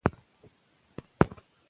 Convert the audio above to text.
که باغونه جوړ کړو نو میوه نه کمیږي.